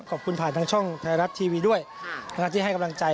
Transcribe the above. ผ่านทางช่องไทยรัฐทีวีด้วยที่ให้กำลังใจ